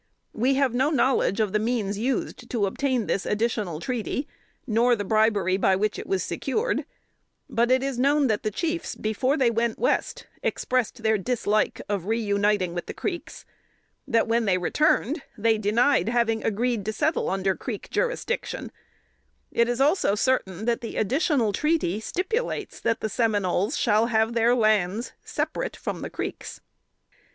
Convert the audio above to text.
We have no knowledge of the means used to obtain this additional treaty, nor the bribery by which it was secured; but it is known that the chiefs, before they went West, expressed their dislike of reuniting with the Creeks; that when they returned, they denied having agreed to settle under Creek jurisdiction; it is also certain that the additional treaty stipulates that the Seminoles shall have their lands separate from the Creeks.